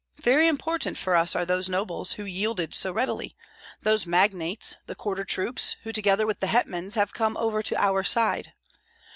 Very important for us are those nobles, who yielded so readily; those magnates; the quarter troops, who together with the hetmans, have come over to our side.